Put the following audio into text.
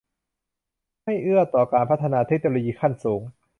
ให้เอื้อต่อการพัฒนาเทคโนโลยีขั้นสูง